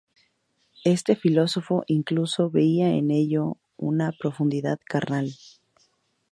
Este filósofo incluso veía en ello una "profundidad carnal".